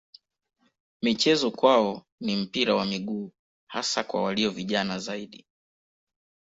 Michezo kwao ni mpira wa miguu hasa kwa walio vijana zaidi.